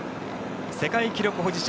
世界記録保持者